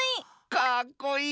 かっこいい！